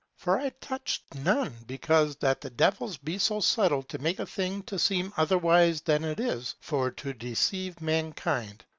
For I touched none, because that the devils be so subtle to make a thing to seem otherwise than it is, for to deceive mankind.